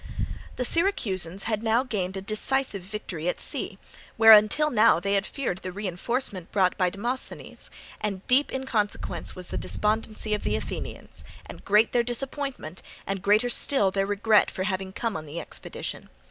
The Syracusans had now gained a decisive victory at sea, where until now they had feared the reinforcement brought by Demosthenes, and deep, in consequence, was the despondency of the Athenians, and great their disappointment, and greater still their regret for having come on the expedition.